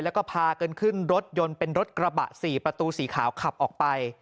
แล้วก็พากันขึ้นรถยนต์เป็นรถกระบะ๔ประตูสีขาวขับออกไป